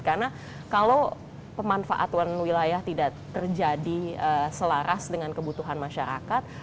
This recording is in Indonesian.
karena kalau pemanfaatan wilayah tidak terjadi selaras dengan kebutuhan masyarakat